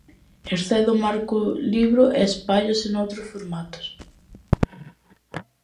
Excede o marco libro e espállase noutros formatos.